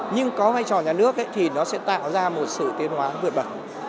nhưng có vai trò nhà nước ấy thì nó sẽ tạo ra một sự tiến hóa vượt bậc